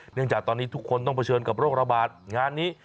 จากตอนนี้ทุกคนต้องเผชิญกับโรคระบาดงานนี้